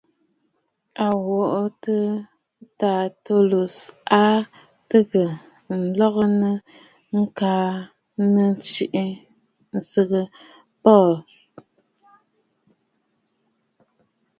A twoŋə̀ Tertullus, a tɨgə̀ ǹlɔgɨnə ŋka nnɨŋtə ɨsaʼa Paul, ǹswoŋə ghu mbo mə.